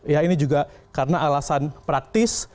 ya ini juga karena alasan praktis